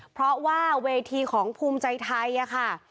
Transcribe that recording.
เพราะว่าเวทีของภูมิใจไทยค่ะ